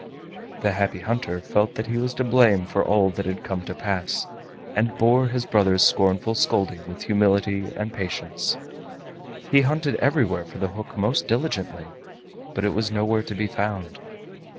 The Happy Hunter felt that he was to blame for all that had come to pass, and bore his brother's scornful scolding with humility and patience. He hunted everywhere for the hook most diligently, but it was nowhere to be found.